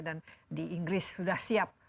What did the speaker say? dan di inggris sudah siap